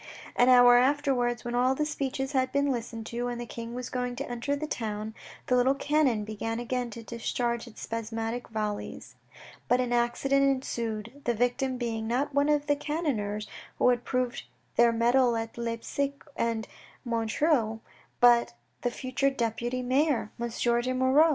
An hour afterwards, when all the speeches had been listened to, and the King was going to enter the town, the little cannon began again to discharge its spasmodic volleys. But an accident ensued, the victim being, not one of the cannoneers who had proved their mettle at Leipsic and at Montreuil, but the future deputy mayor, M. de Moirod.